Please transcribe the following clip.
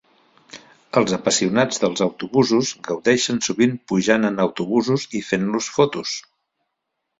Els apassionats dels autobusos gaudeixen sovint pujant en autobusos i fent-los fotos.